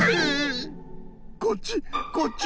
こっち